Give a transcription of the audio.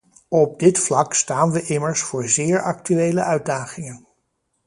Op dit vlak staan we immers voor zeer actuele uitdagingen.